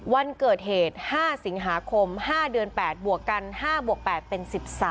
วันเกิดเหตุ๕สิงหาคม๕เดือน๘บวกกัน๕บวก๘เป็น๑๓